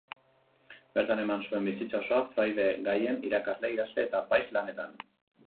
Bertan eman zuen bizitza osoa fraide-gaien irakasle, idazle eta apaiz lanetan.